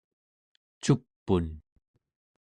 cup'un